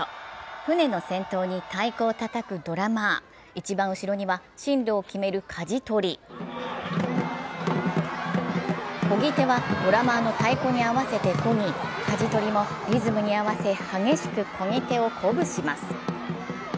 舟の先頭に太鼓をたたくドラマー、一番後ろには進路を決めるかじ取り、こぎ手はドラマーの太鼓に合わせてこぎ、かじ取りもリズムに合わせて激しくこぎ手を鼓舞します。